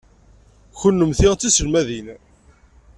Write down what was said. Kennemti d tiselmadin.